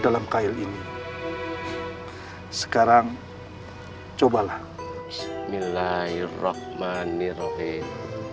dalam kail ini sekarang cobalah bismillahirrahmanirrahim